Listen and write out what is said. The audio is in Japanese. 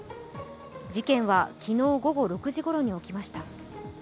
事件は昨日午後６時ごろに起きました。